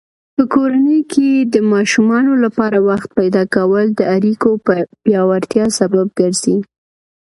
په کورنۍ کې د ماشومانو لپاره وخت پیدا کول د اړیکو پیاوړتیا سبب ګرځي.